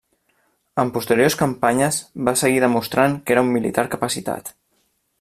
En posteriors campanyes va seguir demostrant que era un militar capacitat.